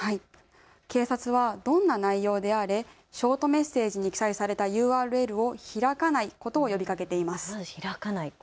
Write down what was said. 警察はどんな内容であれショートメッセージに記載されたＵＲＬを開かないことを呼びかけています。